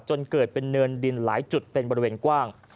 จนเกิดเป็นเนินดินหลายจุดเป็นบริเวณกว้าง